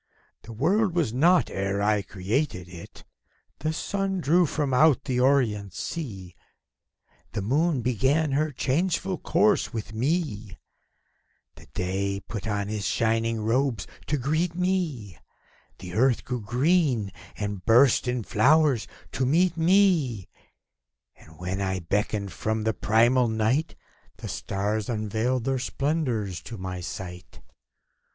The world was not, ere I created it; The sun I drew from out the orient sea; The moon began her changeful course with me ; The Day put on his shining robes, to greet me ; The Earth grew green, and burst in flower to meet me, And when I beckoned, from the primal night The stars unveiled their splendors to my sight.